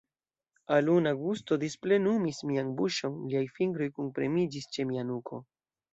Aluna gusto displenumis mian buŝon, liaj fingroj kunpremiĝis ĉe mia nuko.